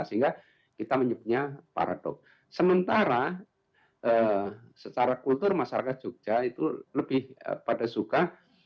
sehingga kita menyebutnya paradok sementara secara kultur masyarakat jogja itu lebih pada suka